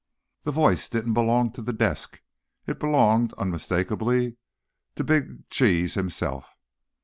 The voice didn't belong to the desk. It belonged, unmistakably, to Big Cheese himself.